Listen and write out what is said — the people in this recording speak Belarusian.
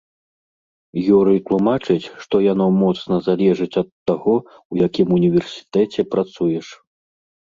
Юрый тлумачыць, што яно моцна залежыць ад таго, у якім універсітэце працуеш.